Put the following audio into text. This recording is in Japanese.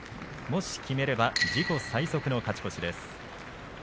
もし決めれば自己最速の勝ち越しです。